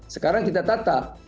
sekarang kita tata